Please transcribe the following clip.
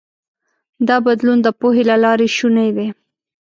دا بدلون د پوهې له لارې شونی دی.